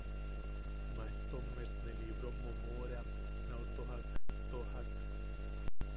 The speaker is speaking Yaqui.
Maejtommet ne libro momoeram nau tojak, toja-k.